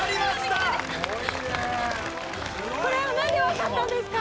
これはなんでわかったんですか？